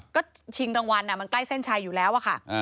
ก็ชิงดังวันมันใกล้เส้นชัยอยู่แล้ว